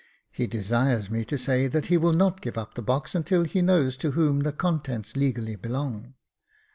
H,e desires me to say that he will not give up the box until he knows to whom the contents legally belong."